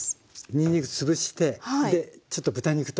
にんにく潰してでちょっと豚肉と一緒に？